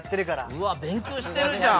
うわ勉強してるじゃん！